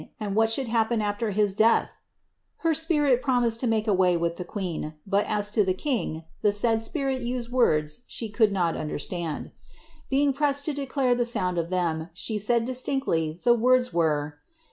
and what should hajip^ii after bis death ?' Her spirit promised In mnke away with the queen, but as to the king, the said spirit used words she could not understand lining pressed to declare the sound ff them, she s.Tid disiincdy the words were.